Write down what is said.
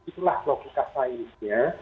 itulah logika sainsnya